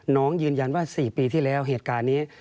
น้องยืนยันว่า๔ปีที่แล้วเหตุการณ์นี้